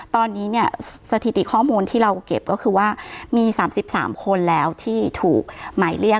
ตอนนี้เนี่ยสถิติข้อมูลที่เราเก็บก็คือว่ามี๓๓คนแล้วที่ถูกหมายเรียก